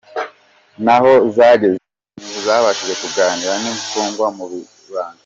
N’aho zageze ntizabashije kuganira n’imfungwa mu ibanga.